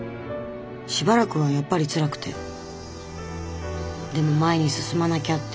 しばらくはやっぱりつらくてでも前に進まなきゃって。